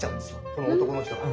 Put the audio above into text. この男の人が。